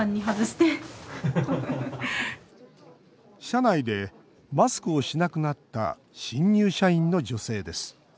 社内でマスクをしなくなった新入社員の女性です。